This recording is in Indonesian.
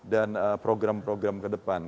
dan program program ke depan